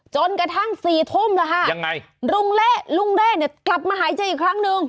จนกระทั่ง๑๖มกราคมค่ะลุงเล่เนี่ยกลับมาหายใจอีกครั้งหนึ่ง